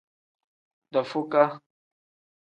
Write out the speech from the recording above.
Dafukaa.